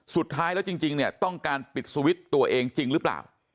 สุดท้ายแล้วจริงเนี่ยต้องการปิดสวิตช์ตัวเองจริงหรือเปล่า